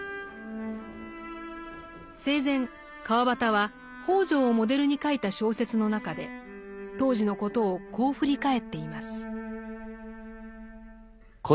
生前川端は北條をモデルに書いた小説の中で当時のことをこう振り返っています。